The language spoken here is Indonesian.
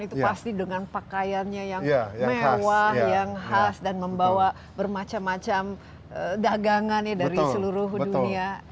itu pasti dengan pakaiannya yang mewah yang khas dan membawa bermacam macam dagangan ya dari seluruh dunia